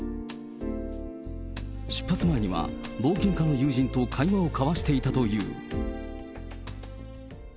出発前には冒険家の友人と会話を交わしていたという。